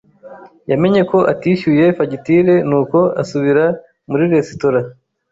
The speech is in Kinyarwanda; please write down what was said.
yamenye ko atishyuye fagitire, nuko asubira muri resitora.